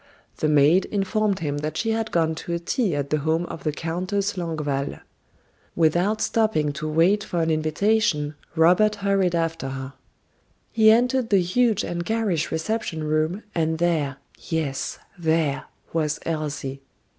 The maid informed him that she had gone to a tea at the home of the Countess Longueval. Without stopping to wait for an invitation John hurried after her. He entered the huge and garish reception room and there, yes there, was Elsie.